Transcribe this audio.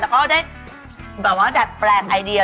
แล้วก็ได้แบบว่าดัดแปลงไอเดีย